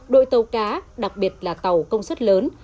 đội tàu cá đặc biệt là tàu công suất lớn